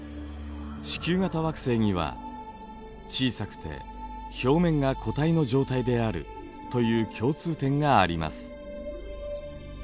地球型惑星には小さくて表面が固体の状態であるという共通点があります。